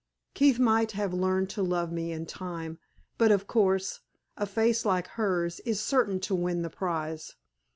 Keith might have learned to love me in time; but, of course, a face like hers is certain to win the prize.